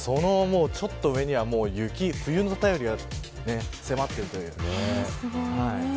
ちょっと上には雪があって冬の便りが迫っているという。